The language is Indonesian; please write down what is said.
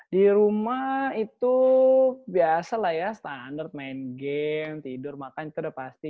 di rumah itu biasa lah ya standar main game tidur makan itu udah pasti